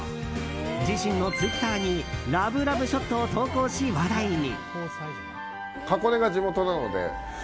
自身のツイッターにラブラブショットを投稿し話題に。